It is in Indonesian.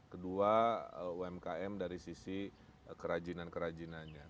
kedua umkm dari sisi kerajinan kerajinannya